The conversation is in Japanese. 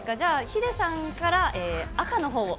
ヒデさんから、赤のほうを。